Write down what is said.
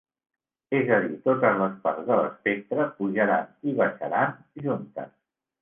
És a dir, totes les parts de l'espectre pujaran i baixaran juntes.